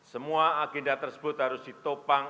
semua agenda tersebut harus ditopang